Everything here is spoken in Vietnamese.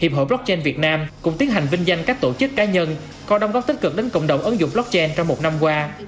hiệp hội blockchain việt nam cũng tiến hành vinh danh các tổ chức cá nhân có đồng góp tích cực đến cộng đồng ứng dụng blockchain trong một năm qua